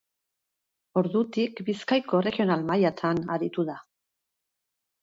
Ordutik Bizkaiko erregional mailatan aritu da.